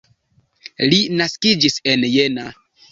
Li naskiĝis en Jena.